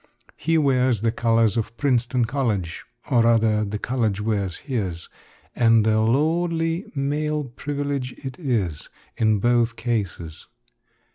He wears the colors of Princeton College, or rather, the college wears his; and a lordly male privilege it is, in both cases.